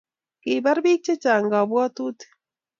Kibarkei bik chechang kabwatutik